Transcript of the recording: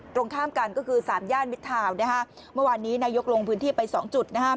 ตรงข้ามกันก็คือสามย่านมิตเท่ามันวันนี้นายกลงพื้นที่ไป๒จุด